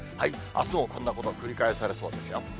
あすもこんなことが繰り返されそうですよ。